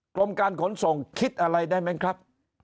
กรมการขนส่งคิดอะไรได้ไหมครับ